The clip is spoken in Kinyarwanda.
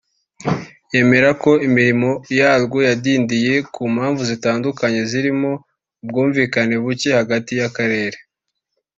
yemera ko imirimo yaryo yadindiye ku mpamvu zitandukanye zirimo ubwumvikane bucye hagati y’akarere